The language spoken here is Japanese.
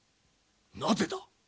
なぜだ！